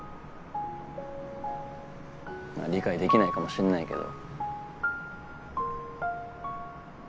まぁ理解できないかもしんないけど。